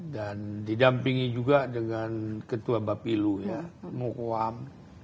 dan didampingi juga dengan ketua bapilu mukoam